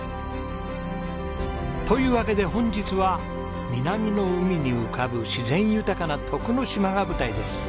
というわけで本日は南の海に浮かぶ自然豊かな徳之島が舞台です。